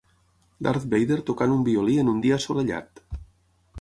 Darth Vader tocant un violí en un dia assolellat